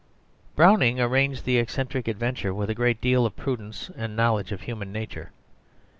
Browning arranged the eccentric adventure with a great deal of prudence and knowledge of human nature.